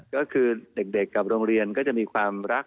ก็คือเด็กกับโรงเรียนก็จะมีความรัก